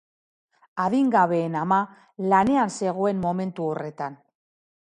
Adingabeen ama lanean zegoen momentu horretan.